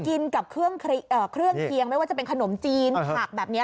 กินกับเครื่องเคียงไม่ว่าจะเป็นขนมจีนผักแบบนี้